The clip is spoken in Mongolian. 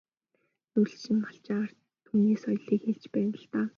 Нүүдэлчин малчин ард түмний соёлыг хэлж байна л даа.